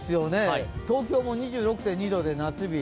東京も２６．２度で夏日。